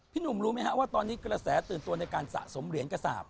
หนุ่มรู้ไหมฮะว่าตอนนี้กระแสตื่นตัวในการสะสมเหรียญกระสาป